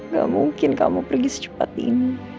gak mungkin kamu pergi secepat ini